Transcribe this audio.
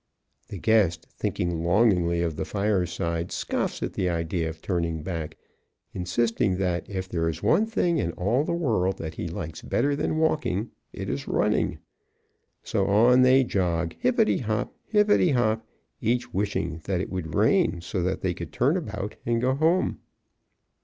The guest, thinking longingly of the fireside, scoffs at the idea of turning back, insisting that if there is one thing in all the world that he likes better than walking it is running. So on they jog, hippity hop, hippity hop, each wishing that it would rain so that they could turn about and go home.